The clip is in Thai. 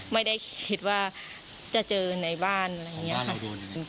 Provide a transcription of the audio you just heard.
ไม่ได้คิดว่าจะเจอในบ้านอะไรอย่างนี้ค่ะ